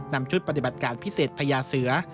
นำชุดปฏิบัติการพิเศษพญาเสือ